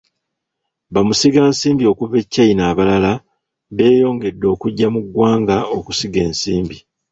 Bamusigansimbi okuva e China abalala beeyongedde okujja mu ggwanga okusiga ensimbi.